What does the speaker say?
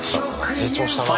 成長したなあ。